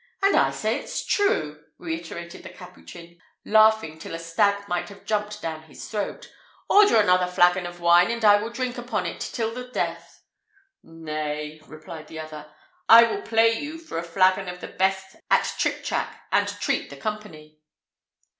"And I say it's true," reiterated the Capuchin, laughing till a stag might have jumped down his throat. "Order another flagon of wine, and I will drink upon it till the death." "Nay," replied the other, "I will play you for a flagon of the best at trictrac, and treat the company."